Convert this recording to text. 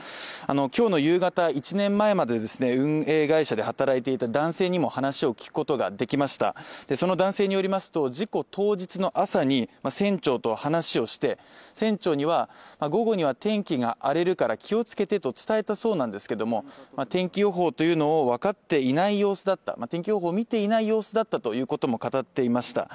今日の夕方１年前までですね運営会社で働いていた男性にも話を聞くことができましたその男性によりますと事故当日の朝に船長と話をして船長には午後には天気が荒れるから気をつけてと伝えたそうなんですけども天気予報というのをわかっていない様子だった天気予報見ていない様子だったということも語っていました。